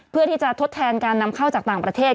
เพื่อที่จะทดแทนการนำเข้าจากต่างประเทศ